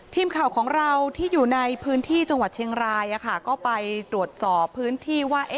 ทีมข่าวของเราที่อยู่ในพื้นที่จังหวัดเชียงรายก็ไปตรวจสอบพื้นที่ว่า